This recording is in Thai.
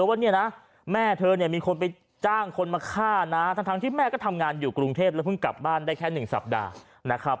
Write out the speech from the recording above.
ว่าแม่เธอมีคนไปจ้างคนมาฆ่านะทั้งที่แม่ก็ทำงานอยู่กรุงเทพฯและกลับบ้างได้แค่๑สัปดาห์